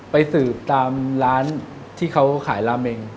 ไปสืบตามร้านที่เขาขายราเมง